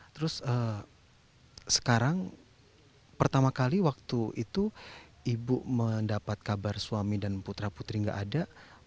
terus sekarang pertama kali waktu itu ibu mendapat kabar suami dan putra putri enggak ada